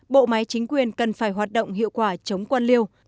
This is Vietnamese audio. bộ máy chính quyền cần phải hoạt động hiệu quả chống quan liêu